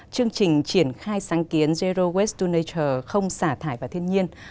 chương trình triển khai sáng kiến zero waste to nature không xả thải vào thiên nhiên